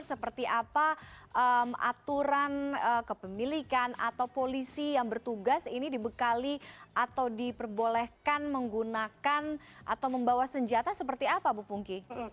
seperti apa aturan kepemilikan atau polisi yang bertugas ini dibekali atau diperbolehkan menggunakan atau membawa senjata seperti apa bu pungki